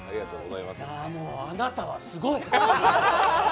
もう、あなたはすごい。